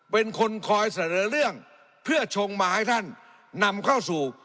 เป็นคนคอยเสนอเรื่องเพื่อชงมาให้ท่านนำเข้าสู่